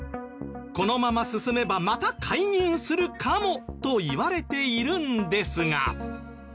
このまま進めばまた介入するかもといわれているんですが。